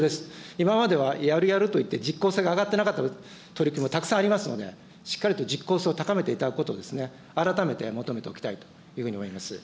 今まではやるやると言って実効性が上がってなかった取り組みもたくさんありますので、しっかりと実効性を高めていただくことを改めて求めておきたいというふうに思います。